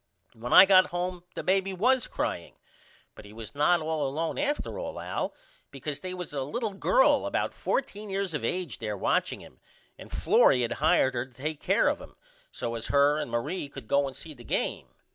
When I got home the baby was crying but he was not all alone after all Al because they was a little girl about 14 years of age there watching him and Florrie had hired her to take care of him so as her and Marie could go and see the game.